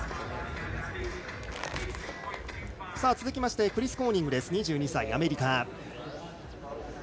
続きまして、クリス・コーニング２２歳、アメリカ。